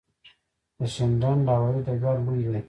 د شینډنډ هوايي ډګر لوی دی